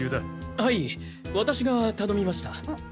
はい私が頼みました。